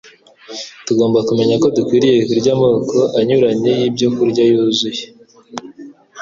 tugomba kumenya ko dukwiriye kurya amoko anyuranye y'ibyo kurya yuzuye